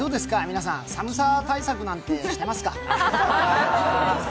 皆さん、寒さ対策なんてしてますか？